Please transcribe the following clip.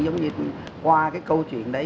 giống như qua cái câu chuyện đấy